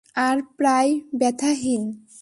আর প্রায় ব্যথাহীন।